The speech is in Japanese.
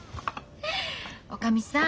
おかみさん。